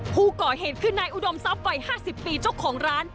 ผู้ก่อเหตุคือนายอุดมทรัพย์วัย๕๐ปีเจ้าของร้าน